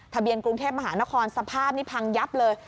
เบียนกรุงเทพมหานครสภาพนี้พังยับเลย